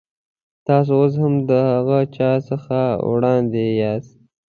تاسو اوس هم د هغه چا څخه وړاندې یاست.